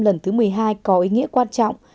lần thứ một mươi hai có ý nghĩa quan trọng